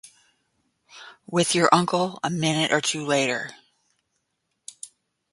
With your uncle, a minute or two later.